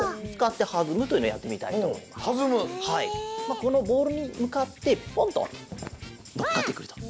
このボールにむかってポンとのっかってくると。